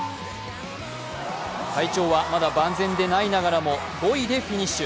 体調はまだ万全でないながらも５位でフィニッシュ。